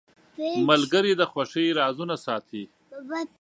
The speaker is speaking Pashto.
ملګری د خوښۍ رازونه ساتي.